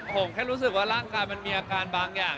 ผมแค่รู้สึกว่าร่างกายมันมีอาการบางอย่าง